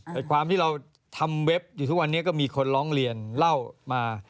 แต่ความที่เราทำเว็บอยู่ทุกวันนี้ก็มีคนร้องเรียนเล่ามา